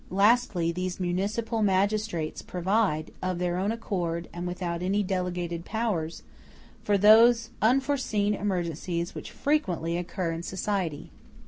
*j Lastly, these municipal magistrates provide, of their own accord and without any delegated powers, for those unforeseen emergencies which frequently occur in society.